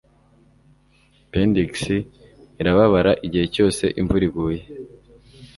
Pendix irababara igihe cyose imvura iguye